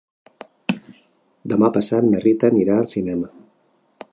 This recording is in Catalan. Demà passat na Rita anirà al cinema.